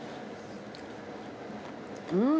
うん！